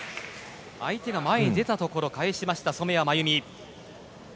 相手が前に出たところ返しました染谷真有美。